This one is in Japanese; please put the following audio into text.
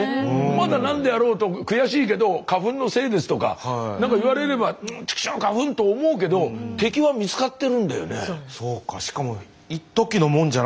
まだ何であろうと悔しいけど花粉のせいですとか何か言われればちきしょう花粉と思うけど敵は見つかってるんだよね。